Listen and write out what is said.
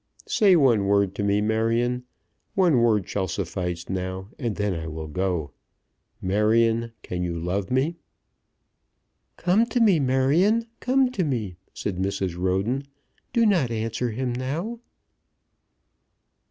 Say one word to me, Marion. One word shall suffice now, and then I will go. Marion, can you love me?" "Come to me, Marion, come to me," said Mrs. Roden. "Do not answer him now."